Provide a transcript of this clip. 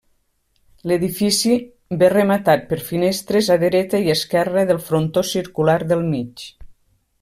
L'edifici ve rematat per finestres a dreta i esquerra del frontó circular del mig.